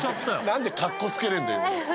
何でカッコつけれんだよ。